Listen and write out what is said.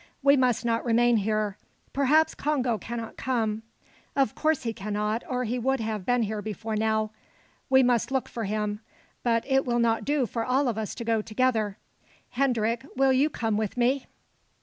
"We must not remain here. Perhaps Congo cannot come. Of course he cannot, or he would have been here before now. We must look for him, but it will not do for all of us to go together. Hendrik, will you come with me?"